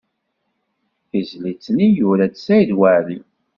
Tizlit-nni yura-tt Saɛid Waɛli.